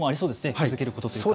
気付けることというか。